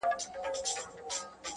• زه جارېږمه له تا او ته له بله..